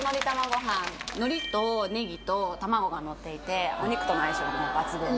のりとネギと卵がのっていてお肉との相性が抜群で。